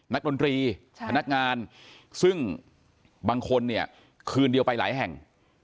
ดนตรีพนักงานซึ่งบางคนเนี่ยคืนเดียวไปหลายแห่ง